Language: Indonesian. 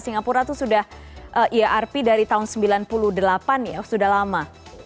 singapura itu sudah irp dari tahun sembilan puluh delapan ya sudah lama